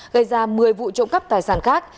gây ra một mươi vụ trộm cắp tài sản khác